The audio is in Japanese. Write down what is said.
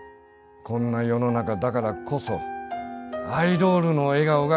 こんな世の中だからこそアイドールの笑顔が必要なんだよ。